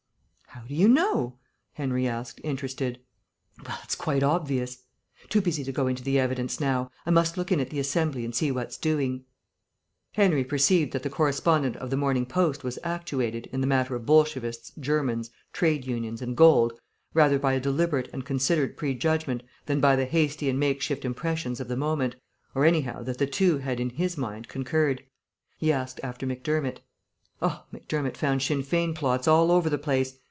"How do you know?" Henry asked, interested. "Well, it's quite obvious. Too busy to go into the evidence now. I must look in at the Assembly and see what's doing...." Henry perceived that the correspondent of the Morning Post was actuated, in the matter of Bolshevists, Germans, trade unions, and gold, rather by a deliberate and considered pre judgment than by the hasty and makeshift impressions of the moment, or, anyhow, that the two had in his mind concurred. He asked after Macdermott. "Oh, Macdermott found Sinn Fein plots all over the place.